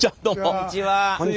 こんにちは。